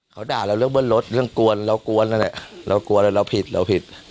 เขาด่าเราเรื่องเบิ้ลรถเรื่องกวนเรากวนนั่นแหละเรากลัวแล้วเราผิดเราผิด